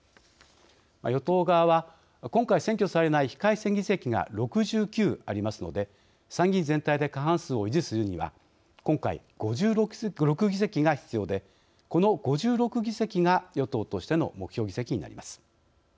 与党側は、今回選挙されない非改選議席が６９ありますので参議院全体で過半数を維持するには今回５６議席が必要でこの５６議席が与党としての目標議席になります。